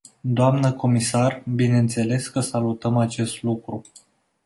Doamnă comisar, bineînțeles că salutăm acest lucru.